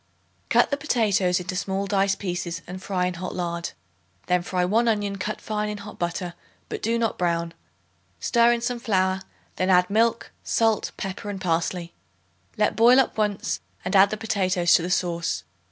Cut the potatoes into small dice pieces and fry in hot lard. Then fry 1 onion cut fine in hot butter, but do not brown; stir in some flour; then add milk, salt, pepper and parsley. Let boil up once and add the potatoes to the sauce.